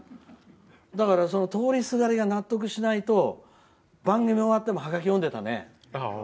だから、通りすがりが納得しないと番組終わってもハガキを読んでいたね。